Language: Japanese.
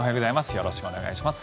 よろしくお願いします。